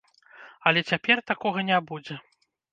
Але цяпер такога не будзе.